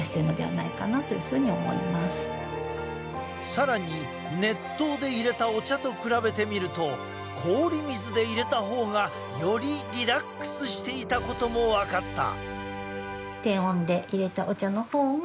さらに熱湯でいれたお茶と比べてみると氷水でいれた方がよりリラックスしていたことも分かった。